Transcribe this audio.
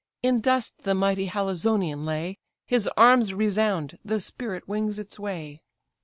In dust the mighty Halizonian lay, His arms resound, the spirit wings its way.